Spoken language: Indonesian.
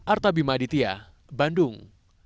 artabima aditya bandung